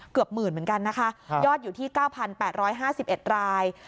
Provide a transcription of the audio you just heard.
เกือบหมื่นเหมือนกันนะคะยอดอยู่ที่๙๘๕๑ราย